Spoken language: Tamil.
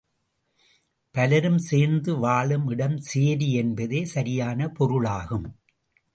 பலரும் சேர்ந்து வாழும் இடம் சேரி என்பதே சரியான பொருளாகும்.